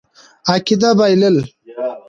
عقیده بایلل.